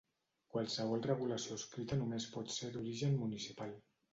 Qualsevol regulació escrita només pot ser d'origen municipal.